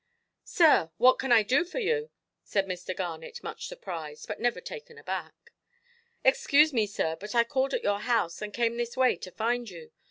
"Sir, what can I do for you"? said Mr. Garnet, much surprised, but never taken aback. "Excuse me, sir, but I called at your house, and came this way to find you.